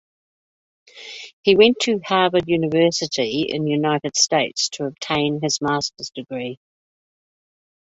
He went to Harvard University in United States to obtain his master's degree.